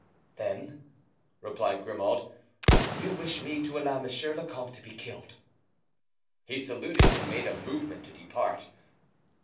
"Then," replied Grimaud, "you wish me to allow monsieur le comte to be killed." He saluted and made a movement to depart.